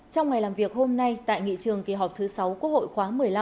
trong ngày làm việc hôm nay tại nghị trường kỳ họp thứ sáu quốc hội khóa một mươi năm